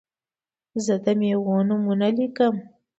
زه د میوو نومونه لیکم.